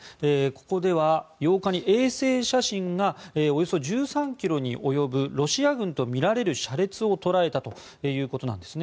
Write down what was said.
ここでは８日に、衛星写真がおよそ１３ｋｍに及ぶロシア軍とみられる車列を捉えたということなんです。